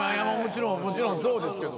もちろんそうですけど。